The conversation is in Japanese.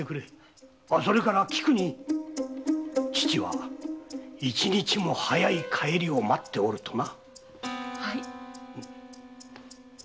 それから菊に「父は一日も早い帰りを待っておる」とな。